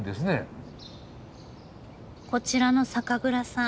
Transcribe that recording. こちらの酒蔵さん